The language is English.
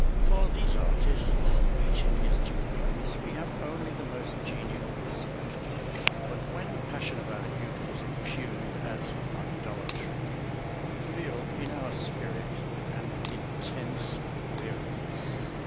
For these artists, each in his due place, we have only the most genial respect. But when the passion of our youth is impugned as "idolatry" we feel in our spirit an intense weariness.